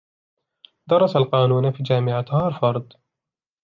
درس القانون في جامعة هارفارد.